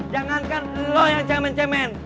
jangankan lo yang cemen cemen